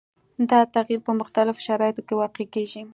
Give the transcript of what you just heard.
دا تغیر په مختلفو شرایطو کې واقع کیږي.